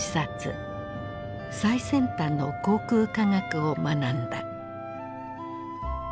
最先端の航空科学を学んだ。